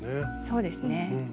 そうですね。